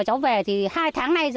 cháu về thì hai tháng nay